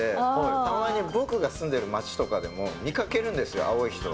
たまに僕が住んでいる街とかでも見かけるんですよ、青い人を。